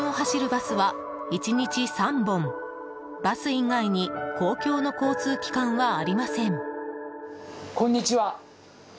バス以外に公共の交通機関はありません。